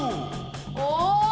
お！